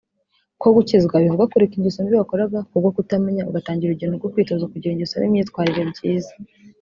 Kuko gukizwa bivuga kureka ingeso mbi wakoraga kubwo kutamenya ugatangira urugendo rwo kwitoza kugira ingeso n’imyitware byiza